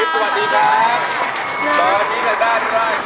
สวัสดีครับ